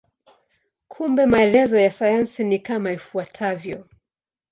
Kumbe maelezo ya sayansi ni kama ifuatavyo.